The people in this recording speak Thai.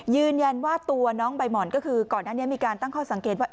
ยืนยันว่าตัวน้องใบหม่อนก็คือก่อนหน้านี้มีการตั้งข้อสังเกตว่า